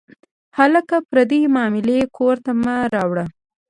هلکه، پردۍ معاملې کور ته مه راوړه.